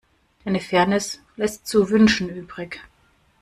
Deine Fairness lässt zu wünschen übrig.